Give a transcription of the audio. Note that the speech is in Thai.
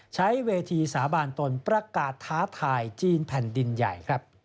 ใช้เวทีสาบานตนประกาศท้าทายจีนแผ่นดินใหญ่ครับ